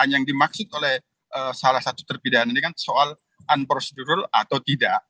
yang dimaksud oleh salah satu terpidana ini kan soal unprocedural atau tidak